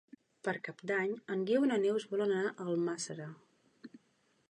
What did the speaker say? Per Cap d'Any en Guiu i na Neus volen anar a Almàssera.